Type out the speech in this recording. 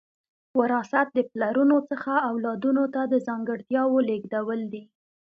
وراثت د پلرونو څخه اولادونو ته د ځانګړتیاوو لیږدول دي